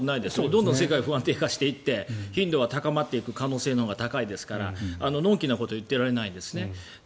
どんどん世界は不安定化していって頻度は高まっていく可能性のほうが高いですからのんきなことを言っていられないですね。